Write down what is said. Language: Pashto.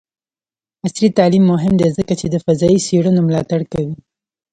عصري تعلیم مهم دی ځکه چې د فضايي څیړنو ملاتړ کوي.